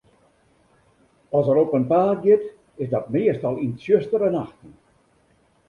As er op 'en paad giet, is dat meastal yn tsjustere nachten.